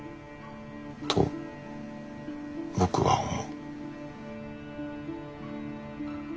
と僕は思う。